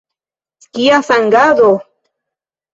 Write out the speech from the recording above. Kia sangado!